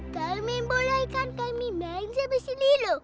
kami boleh kan kami main sama si lilo